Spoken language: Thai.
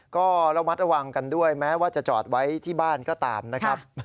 ก็ระมัดระวังกันด้วยแม้ว่าจะจอดไว้ที่บ้านก็ตามนะครับ